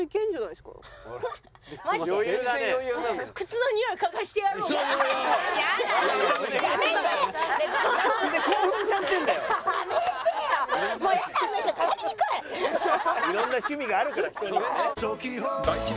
いろんな趣味があるから人にはね。